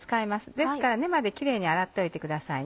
ですから根までキレイに洗っておいてください。